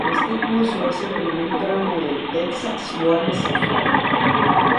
Este curso es el primer tramo del Texas Water Safari.